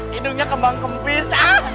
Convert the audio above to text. hidungnya kembang kempis